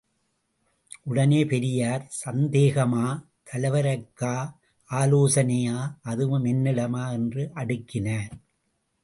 உடனே பெரியார், சந்தேகமா — தலைவர்க்கா? ஆலோசனையா — அதுவும் என்னிடமா? —என்று அடுக்கினார்.